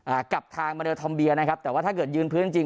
อ่ากับทางมาเลทอมเบียนะครับแต่ว่าถ้าเกิดยืนพื้นจริง